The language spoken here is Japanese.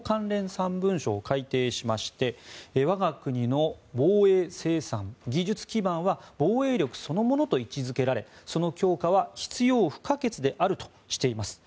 ３文書を改定しまして我が国の防衛生産技術基盤は防衛力そのものと位置付けられその強化は必要不可欠であるとしています。